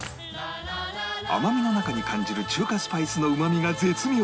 甘みの中に感じる中華スパイスのうまみが絶妙！